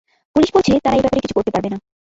Police বলছে তারা এ ব্যাপারে কিছু করতে পারবে না।